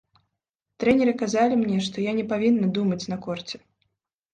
Трэнеры казалі мне, што я не павінна думаць на корце.